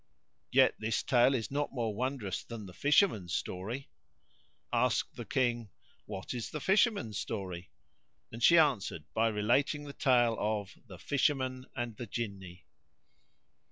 Yet this tale is not more wondrous than the fisherman's story." Asked the King, "What is the fisherman's story?" And she answered by relating the tale of THE FISHERMAN AND THE JINNI.